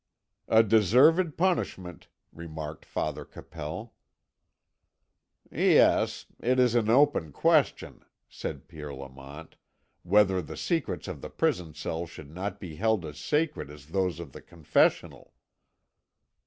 "A deserved punishment," remarked Father Capel. "Yet it is an open question," said Pierre Lamont, "whether the secrets of the prison cell should not be held as sacred as those of the confessional."